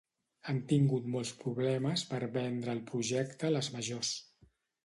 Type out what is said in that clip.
Han tingut molts problemes per vendre el projecte a les majors.